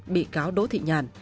bị cáo đỗ thị nhàn